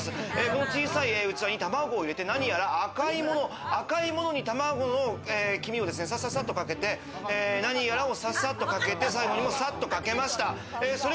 この小さい器に卵を入れて、何やら赤いものに卵の黄身をささっとかけて、なにやらをササッとかけて、最後にも、さっとかけました。